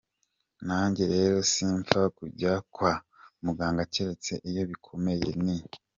Nanjye rero simpfa kujya kwa muganga keretse iyo bikomeye, ni.